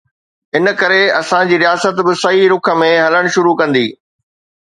ان ڪري اسان جي رياست به صحيح رخ ۾ هلڻ شروع ڪندي.